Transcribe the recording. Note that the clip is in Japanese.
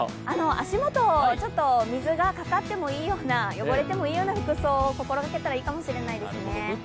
足元、水がかかってもいいような汚れてもいいような服装を心がけた方がいいかもしれないですね。